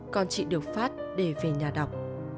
con chị được phát để về nhà đọc